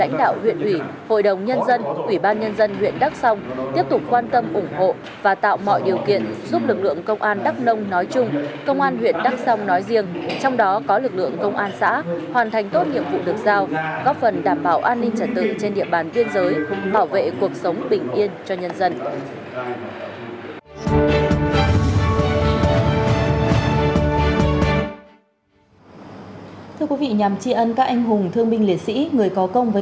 hội đồng nhân dân ủy ban nhân dân huyện đắk sông tiếp tục quan tâm ủng hộ và tạo mọi điều kiện giúp lực lượng công an đắk nông nói chung công an huyện đắk sông nói riêng trong đó có lực lượng công an xã hoàn thành tốt nhiệm vụ được giao góp phần đảm bảo an ninh trả tự trên địa bàn tuyên giới bảo vệ cuộc sống bình yên cho nhân dân